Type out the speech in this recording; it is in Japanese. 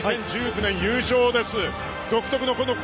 ２０１９年、優勝です。